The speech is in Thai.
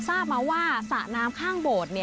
ทราบมาว่าสระน้ำข้างโบสถ์